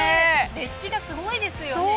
熱気がすごいですよね。